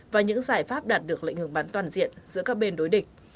và những giải pháp đạt được lệnh ngừng bắn toàn diện giữa các bên đối địch